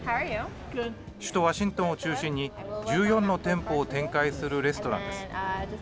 首都ワシントンを中心に、１４の店舗を展開するレストランです。